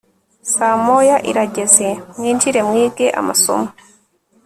saa moya irageze mwinjire mwige amasomo